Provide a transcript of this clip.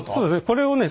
これをね